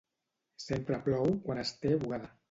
Sempre plou quan es té bugada.